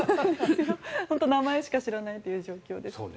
本当に名前しか知らないという状況です。